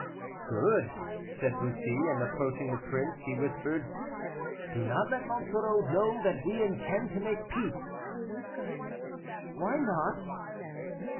"Good!" said Bussy, and approaching the prince, he whispered, "Do not let Monsoreau know that we intend to make peace." "Why not?"